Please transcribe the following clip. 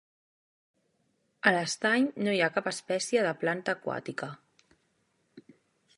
A l'estany no hi ha cap espècie de planta aquàtica.